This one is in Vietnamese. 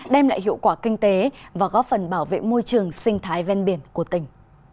đem lại hiệu quả kinh tế và góp phần bảo vệ môi trường sinh thái ven biển của tỉnh